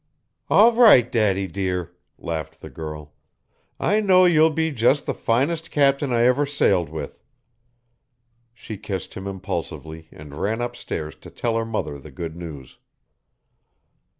"All right, daddy dear," laughed the girl; "I know you'll be just the finest captain I ever sailed with." She kissed him impulsively and ran up stairs to tell her mother the good news.